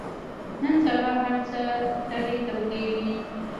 نن سبا هر څه تلې تودې دي.